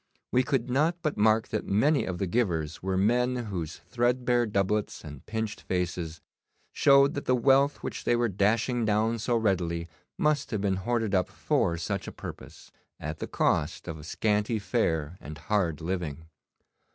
We could not but mark that many of the givers were men whose threadbare doublets and pinched faces showed that the wealth which they were dashing down so readily must have been hoarded up for such a purpose, at the cost of scanty fare and hard living.